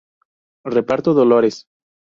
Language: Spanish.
Reparto Dolores.